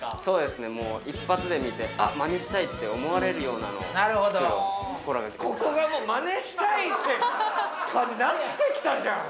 そうですねもう一発で見て「あっまねしたい」って思われるようなのを作ろうと心がけています